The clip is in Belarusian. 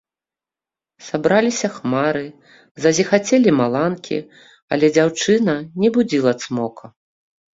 Сабраліся хмары, зазіхацелі маланкі, але дзяўчына не будзіла цмока.